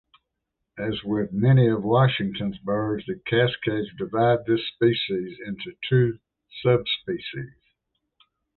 As with many of Washington's birds, the Cascades divide this species into two subspecies.